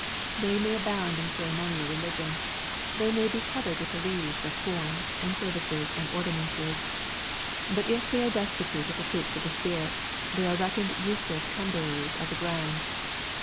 They may abouml in ceremonial religion. They may be covered with the leaves of forms, and services, and ordinances. But if they are destitute of the fruits of the Spirit, they are reckoned useless cumberers of the ground.